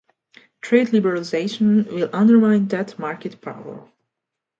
Trade liberalization will undermine that market power.